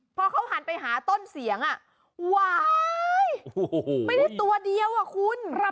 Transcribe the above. พอเขาหันไปหาต้นเสียงว้ายไม่ได้ตัวเดียวอะคุณ